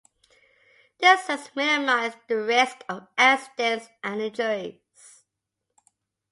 This helps minimize the risk of accidents and injuries.